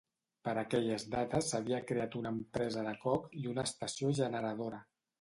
Per aquelles dates s'havia creat una empresa de coc i una estació generadora.